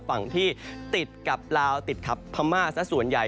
ฝั่งที่ติดกับลาวติดครับภามาร์สและส่วนใหญ่